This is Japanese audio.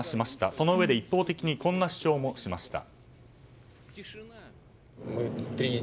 そのうえで一方的にこんな主張もしました。